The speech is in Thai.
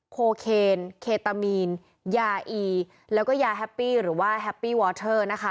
โคเคนเคตามีนยาอีแล้วก็ยาแฮปปี้หรือว่าแฮปปี้วอเทอร์นะคะ